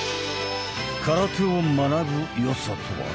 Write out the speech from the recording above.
空手を学ぶ良さとは？